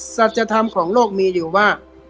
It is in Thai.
สัจธรรมของโลกมีอยู่ว่า